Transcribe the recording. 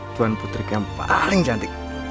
tuan putri yang paling cantik